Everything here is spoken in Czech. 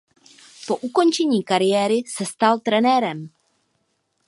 Po ukončení kariéry se stal trenérem.